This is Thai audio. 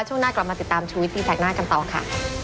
ช่วงหน้ากลับมาติดตามชีวิตตีแสกหน้ากันต่อค่ะ